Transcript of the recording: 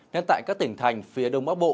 nên tại các tỉnh thành phía đông bắc bộ